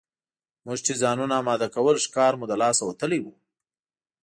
موږ چې ځانونه اماده کول ښکار مو له لاسه وتلی وو.